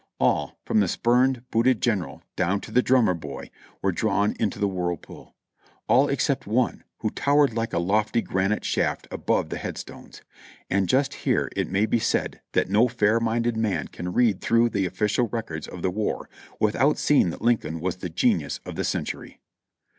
All, from the spurred, booted general down to the drummer boy, were drawn into the whirlpool — all except one, who towered like a lofty granite shaft above the head stones. And just here it may be said that no fair minded man can read through the ofiicial records of the war without seeing that Lin coln was the genius of the century.